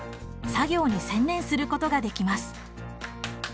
作業に専念することができます。